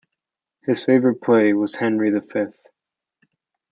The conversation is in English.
His favourite play was "Henry the Fifth".